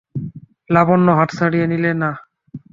লাবণ্য হাত ছাড়িয়ে নিলে না।